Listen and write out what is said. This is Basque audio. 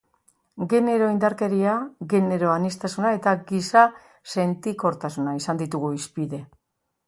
Genero indarkeria, genero aniztasuna eta giza sentikortasuna izan ditugu hizpide.